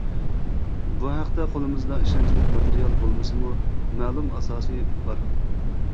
بۇ ھەقتە قۇلىمىزدا ئىشەنچلىك ماتېرىيال بولمىسىمۇ، مەلۇم ئاساسىي بار.